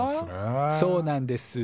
そうなんです。